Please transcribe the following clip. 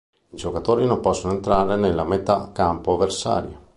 I giocatori non possono entrare nella metà campo avversaria.